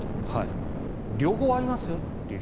両方ありますよという